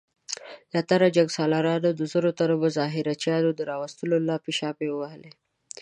زياتو جنګ سالارانو د زرو تنو مظاهره چيانو د راوستلو لاپې شاپې ووهلې.